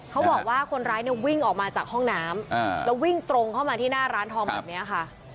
เขาบอกว่าคนร้ายเนี่ยวิ่งออกมาจากห้องน้ำแล้ววิ่งตรงเข้ามาที่หน้าร้านทองแบบนี้ค่ะ